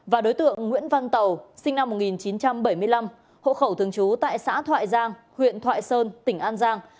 và đối tượng nguyễn văn tàu sinh năm một nghìn chín trăm bảy mươi năm hộ khẩu thường trú tại xã thoại giang huyện thoại sơn tỉnh an giang